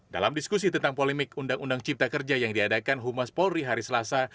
dalam diskusi tentang polemik undang undang cipta kerja yang diadakan humas polri hari selasa